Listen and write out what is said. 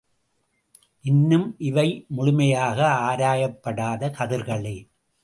இன்னும் இவை முழுமையாக ஆராயப்படாத கதிர்களே.